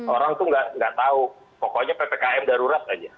orang tuh nggak tahu pokoknya ppkm darurat aja